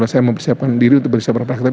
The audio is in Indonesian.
saya mau bersiapkan diri untuk bisa berpraktik